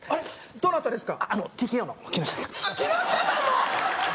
どなたですか？